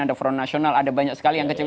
ada front nasional ada banyak sekali yang kecil